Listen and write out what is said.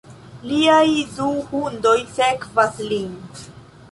Liaj du hundoj sekvas lin.